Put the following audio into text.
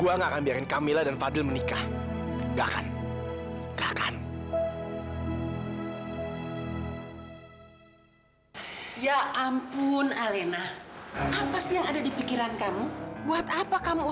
eyang eyang mau telfon siapa